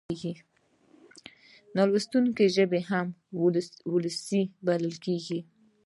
د نالوستي ژبه هم وولسي بلل کېږي.